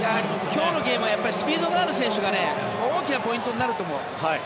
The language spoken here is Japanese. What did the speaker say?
今日のゲームはスピードがある選手が大きなポイントになると思う。